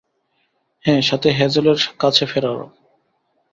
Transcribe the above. হ্যাঁ, সাথে হ্যাজেলের কাছে ফেরারও।